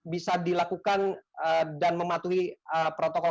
bisa dilakukan dan mematuhi protokol